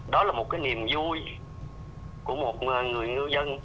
đó là một cái niềm vui của một người ngư dân